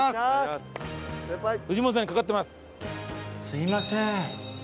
すみません。